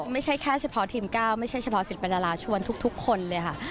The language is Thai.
ไม่ใช่แค่เฉพาะทีม๙ไม่ใช่เฉพาะศิลปินดาราชวนทุกคนเลยค่ะ